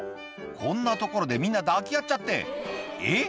こんなところでみんな抱き合っちゃってえっ